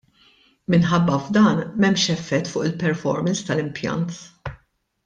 Minħabba f'dan m'hemmx effett fuq il-performance tal-impjant.